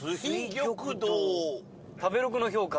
食べログの評価